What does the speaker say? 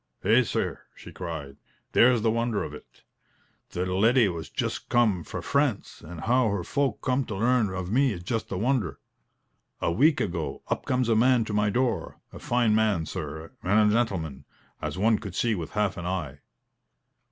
"Heh, sir!" she cried, "there's the wonder of it. The leddy has just come fra France; and how her folk come to learn of me is just a wonder. A week ago, up comes a man to my door a fine man, sir, and a gentleman, as one could see with half an eye.